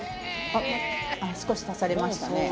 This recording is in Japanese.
少し足されましたね。